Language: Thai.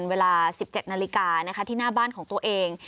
เวลา๑๗นาฬิกาที่หน้าบ้านของตัวเอง